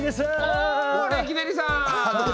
おレキデリさん。